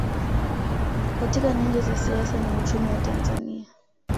katika nyanja za siasa na uchumi wa Tanzania